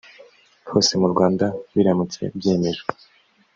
hose mu rwanda biramutse byemejwe